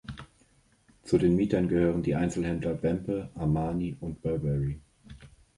Zu den Mietern gehören die Einzelhändler Wempe, Armani und Burberry.